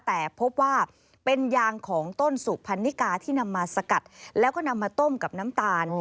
แต่พบว่าเป็นยางของต้นสุพรรณิกาที่นำมาสกัดแล้วก็นำมาต้มกับน้ำตาล